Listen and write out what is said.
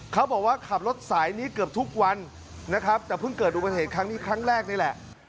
เขาบอกว่าขับรถสายนี้เกือบทุกวันนะครับแต่เพิ่งเกิดอุบัติเหตุครั้งนี้ครั้งแรกนี่แหละ